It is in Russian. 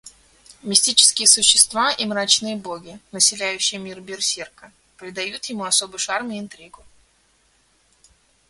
Мистические существа и мрачные боги, населяющие мир Берсерка, придают ему особый шарм и интригу.